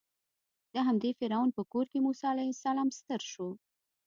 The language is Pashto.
د همدې فرعون په کور کې موسی علیه السلام ستر شو.